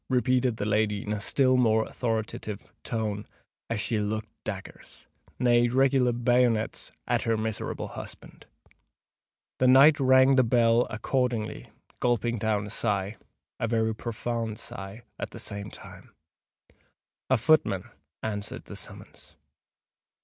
repeated the lady in a still more authoritative tone, as she looked daggers—nay, regular bayonets—at her miserable husband. The knight rang the bell accordingly, gulping down a sigh—a very profound sigh—at the same time. A footman answered the summons.